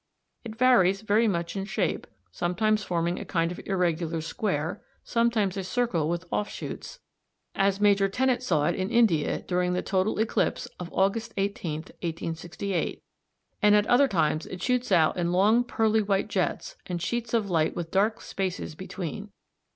It varies very much in shape, sometimes forming a kind of irregular square, sometimes a circle with off shoots, as in Fig. 47, which shows what Major Tennant saw in India during the total eclipse of August 18, 1868, and at other times it shoots out in long pearly white jets and sheets of light with dark spaces between.